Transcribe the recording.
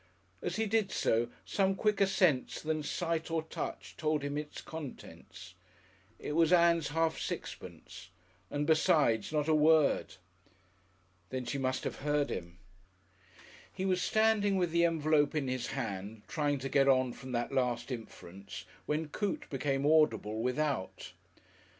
As he did so, some quicker sense than sight or touch told him its contents. It was Ann's half sixpence. And, besides, not a word! Then she must have heard him ! She had kept the half sixpence all these years! He was standing with the envelope in his hand, trying to get on from that last inference, when Coote became audible without.